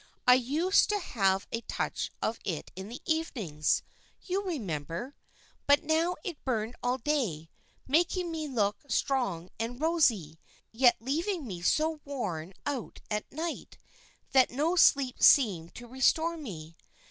I used to have a touch of it in the evenings, you remember; but now it burned all day, making me look strong and rosy, yet leaving me so worn out at night that no sleep seemed to restore me.